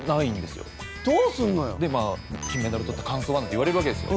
でまあ「金メダルとった感想は？」なんて言われるわけですよ。